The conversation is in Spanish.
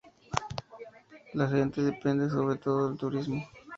La gente depende sobre todo del turismo.